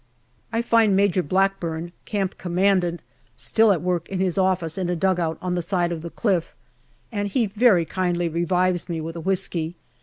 I find Major Blackburn, Camp Commandant, still at work in his office in a dugout on the side of the cliff, and he very kindly revives me with a whisky.